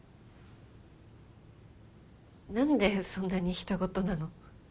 何でそんなに人ごとなの？